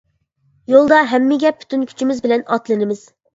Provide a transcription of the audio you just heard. يولدا ھەممىگە پۈتۈن كۈچىمىز بىلەن ئاتلىنىمىز!